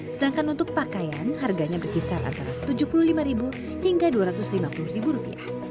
sedangkan untuk pakaian harganya berkisar antara rp tujuh puluh lima hingga rp dua ratus lima puluh